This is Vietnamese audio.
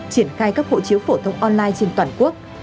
triển khai các hộ chiếu phổ thông online trên toàn quốc